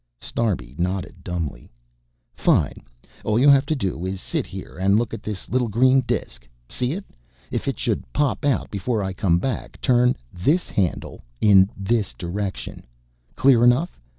Snarbi nodded dumbly. "Fine. All you have to do is sit here and look at this little green disk, see it? If it should pop out before I come back turn this handle in this direction. Clear enough?